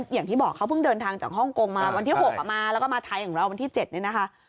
อย่างที่บอกเขาเพิ่งเดินทางจากฮ่องกงมาวันที่๖มาแล้วก็มาไทยของเราวันที่๗เนี่ยนะคะ